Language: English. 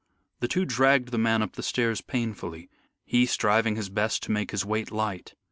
The two dragged the man up the stairs painfully, he striving his best to make his weight light.